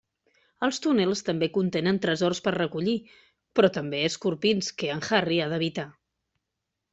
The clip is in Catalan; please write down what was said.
Els túnels també contenen tresors per recollir però també escorpins, que en Harry ha d'evitar.